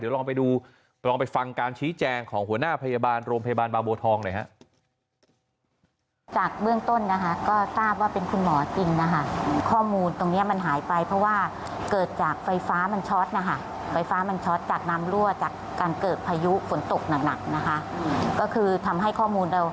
ลองไปดูลองไปฟังการชี้แจงของหัวหน้าพยาบาลโรงพยาบาลบางบัวทองหน่อยฮะ